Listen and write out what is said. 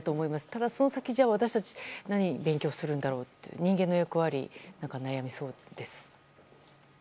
ただ、その先に私たちは何を勉強するんだろうと人間の役割に悩みそうです。